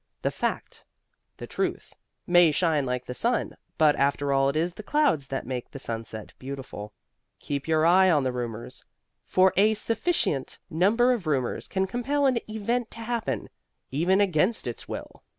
The Fact, the Truth, may shine like the sun, but after all it is the clouds that make the sunset beautiful. Keep your eye on the rumors, for a sufficient number of rumors can compel an event to happen, even against its will.